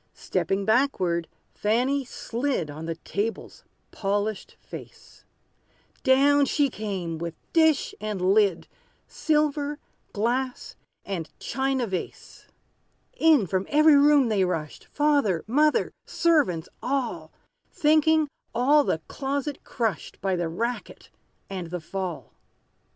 Stepping backward, Fanny slid On the table's polished face: Down she came, with dish and lid, Silver glass and china vase! In, from every room they rushed, Father mother servants all, Thinking all the closet crushed, By the racket and the fall.